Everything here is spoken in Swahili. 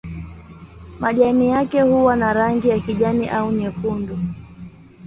Majani yake huwa na rangi ya kijani au nyekundu.